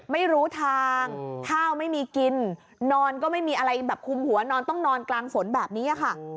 ไม่รู้ทางข้าวไม่มีกินนอนก็ไม่มีอะไรแบบคุมหัวนอนต้องนอนกลางฝนแบบนี้ค่ะ